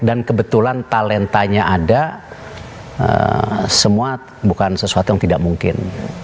dan kebetulan talentanya ada semua bukan sesuatu yang tidak mungkin